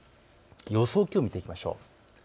気温を見ていきましょう。